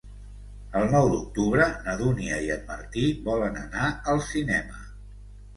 El nou d'octubre na Dúnia i en Martí volen anar al cinema.